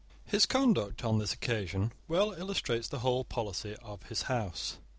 His conduct, on this occasion, well illustrates the whole policy of his house.